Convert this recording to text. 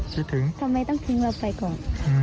คิดถึงนะทำไมต้องถึงเราไปก่อนคิดถึง